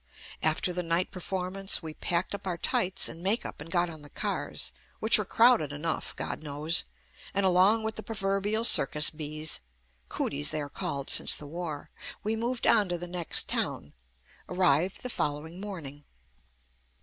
After the night perform ance, we packed up our tights and makeup and got on the cars, which were crowded enough, God knows, and along with the proverbial cir cus bees (cooties they are called since the war) we moved on to the next town, arrived the fol lowing morning.